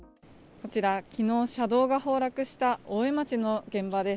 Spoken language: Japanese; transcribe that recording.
こちら、きのう車道が崩落した大江町の現場です。